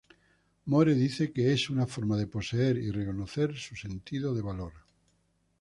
Moore dice que "es una forma de poseer y reconocer su sentido de valor".